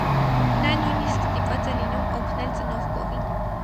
Նա նույնիսկ ստիպված է լինում օգնել ծնող կովին։